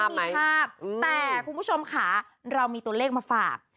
มีภาพแต่คุณผู้ชมค่ะเรามีตัวเลขมาฝาก